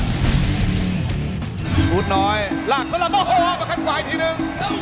ชุดน้อยลากสละโอ้โหเอามาขั้นไหวทีนึง